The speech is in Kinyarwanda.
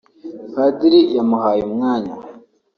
padiri yamuhaye umwanya